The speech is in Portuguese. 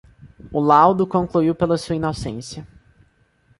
O laudo concluiu pela sua inocência.